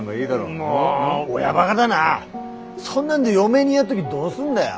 そんなんで嫁にやっとぎどうすんだよ。